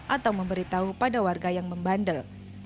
atau memberitahu pada warga yang membandel